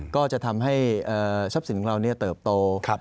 ก็จะทำให้ชัดสินของเรานี่เติบโต